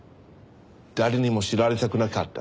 誰にも知られたくなかった。